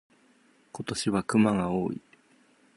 今年は熊が多い。